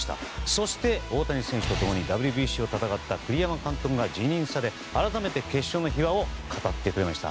そして、大谷選手と共にＷＢＣを戦った栗山監督が辞任され改めて決勝の秘話を語ってくれました。